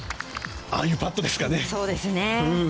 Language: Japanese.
ああいうパットですかね。